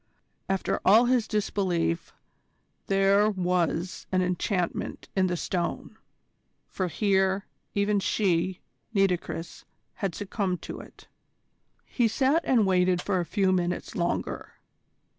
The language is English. After all his disbelief, there was an enchantment in the Stone, for here, even she, Nitocris, had succumbed to it. He sat and waited for a few minutes longer.